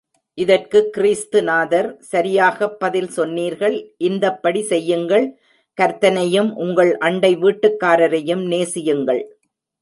இதற்குக் கிறிஸ்து நாதர், சரியாகப் பதில் சொன்னீர்கள் இந்தப்படி செய்யுங்கள் கர்த்தனையும், உங்கள் அண்டை வீட்டுக்காரரையும் நேசியுங்கள்.